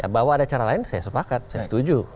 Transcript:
bahwa ada cara lain saya sepakat saya setuju